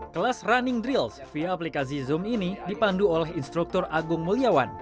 kelas running drills via aplikasi zoom ini dipandu oleh instruktur agung muliawan